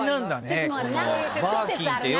諸説あるな。